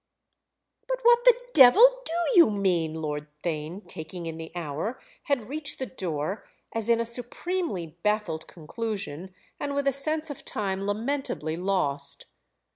"But what the devil do you mean?" Lord Theign, taking in the hour, had reached the door as in supremely baffled conclusion and with a sense of time lamentably lost.